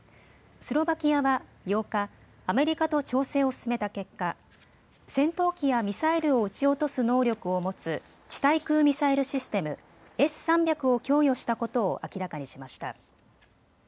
スロバキアは８日、アメリカと調整を進めた結果、戦闘機やミサイルを撃ち落とす能力を持つ地対空ミサイルシステム、Ｓ３００を供与したことを明らかにしました。